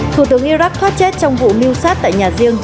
thủ tướng iraq thoát chết trong vụ mưu sát tại nhà riêng